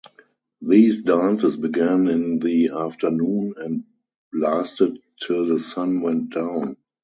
These dances began in the afternoon and lasted till the sun went down.